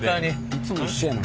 いつも一緒やな。